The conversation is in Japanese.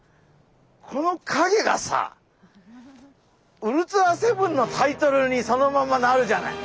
このかげがさ「ウルトラセブン」のタイトルにそのままなるじゃない。